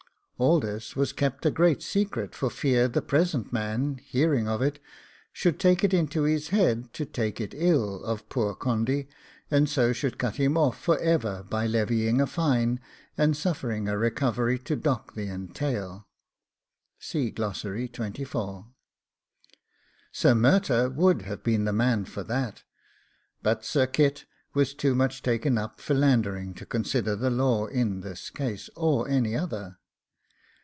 All this was kept a great secret for fear the present man, hearing of it, should take it into his head to take it ill of poor Condy, and so should cut him off for ever by levying a fine, and suffering a recovery to dock the entail. Sir Murtagh would have been the man for that; but Sir Kit was too much taken up philandering to consider the law in this case, or any other.